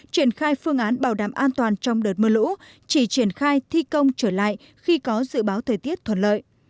triển khai phương án bảo đảm an toàn trong đợt mưa lũ chỉ triển khai thi công trở lại khi có dự báo thời tiết thuận lợi